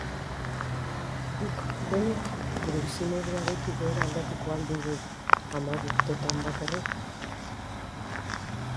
Guk, denek, gure bizimodua goitik-behera aldatuko al dugu hamar urtetan bakarrik?